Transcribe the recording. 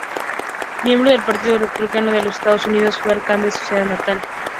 Miembro del Partido Republicano de los Estados Unidos, fue alcalde de su ciudad natal.